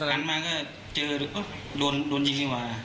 กรรมศาลมาก็เจอโดนยิงดีกว่า